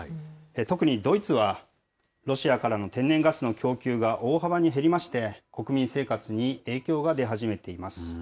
特にドイツは、ロシアからの天然ガスの供給が大幅に減りまして、国民生活に影響が出始めています。